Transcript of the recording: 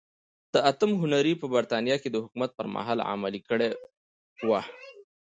د اتم هنري په برېټانیا کې د حکومت پرمهال عملي کړې وه.